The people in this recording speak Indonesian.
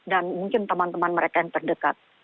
dan mungkin teman teman mereka yang terdekat